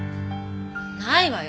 ないわよ！